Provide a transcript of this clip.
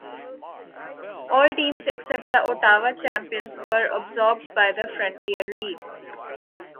All teams except the Ottawa Champions were absorbed by the Frontier League.